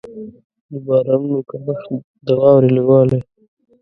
د بارانونو کمښت، د واورې لږ والی.